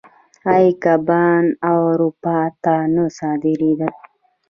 آیا کبان اروپا ته نه صادرېدل؟